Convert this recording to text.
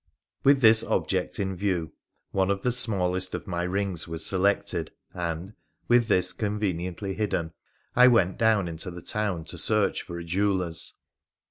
With this object in view, one of the smallest of my rings was selected, and, with this conveniently hidden, I went down into the town to search for a jeweller's.